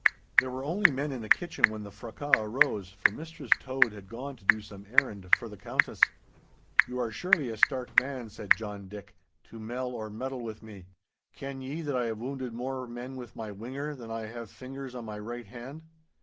There were only men in the kitchen when the fracas arose, for Mistress Tode had gone to do some errand for the Countess. 'You are surely a stark man,' said John Dick, 'to mell or meddle with me. Ken ye that I have wounded more men with my whinger than I have fingers on my right hand?